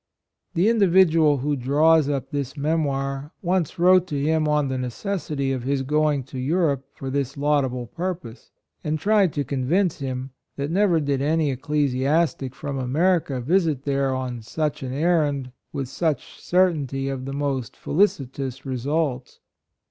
The individual who draws up this " Memoir," once wrote to him on the necessity of his going to Europe for this laudable pur pose, and tried to convince him that never did any ecclesiastic from America visit there on such an er rand with such certainty of the most felicitous results.